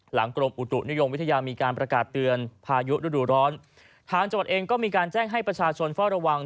กรมอุตุนิยมวิทยามีการประกาศเตือนพายุฤดูร้อนทางจังหวัดเองก็มีการแจ้งให้ประชาชนเฝ้าระวัง